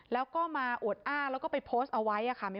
แล้วก็มาอวดอ้างแล้วก็ไปโพสต์เอาไว้ค่ะ